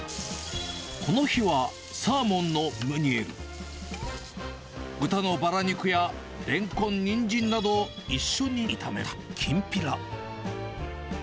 この日は、サーモンのムニエル、豚のバラ肉やレンコン、ニンジンなどを一緒に炒めたきんぴら。